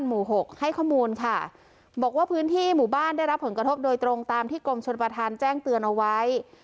หกให้ข้อมูลค่ะบอกว่าพื้นที่หมู่บ้านได้รับผลกระทบโดยตรงตามที่กรมชนประธานแจ้งเตือนเอาไว้